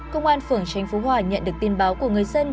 công an phường tranh phú hỏa nhận được tin báo của người dân